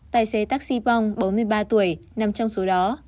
tài xế taxi pong bốn mươi ba tuổi nằm trong số đó